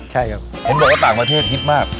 เห็นบอกต่างประเทศฮิตมาก